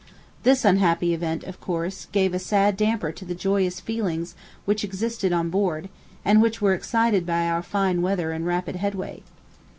This unhappy event, of course, gave a sad damper to the joyous feelings which existed on board, and which were excited by our fine weather and rapid headway.